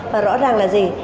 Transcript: và rõ ràng là gì